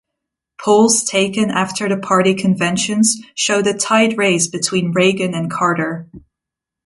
Polls taken after the party conventions showed a tied race between Reagan and Carter.